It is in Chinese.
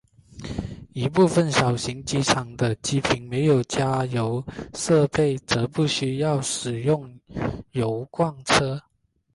一部份小型机场的机坪设有加油设备则不需使用油罐车。